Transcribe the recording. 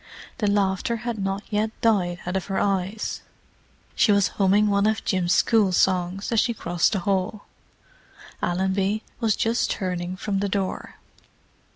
The laughter had not yet died out of her eyes; she was humming one of Jim's school songs as she crossed the hall. Allenby was just turning from the door.